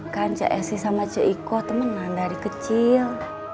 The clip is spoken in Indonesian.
kan c s sama c i k temenan dari kecil